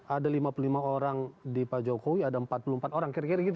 ada lima puluh lima orang di pak jokowi ada empat puluh empat orang kira kira gitu